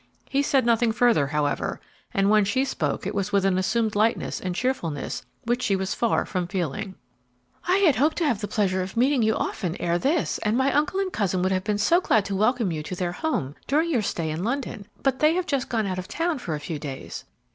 He said nothing further, however, and when she spoke it was with an assumed lightness and cheerfulness which she was far from feeling. "I hoped to have the pleasure of meeting you often ere this, and my uncle and cousin would have been so glad to welcome you to their home during your stay in London, but they have just gone out of town for a few days."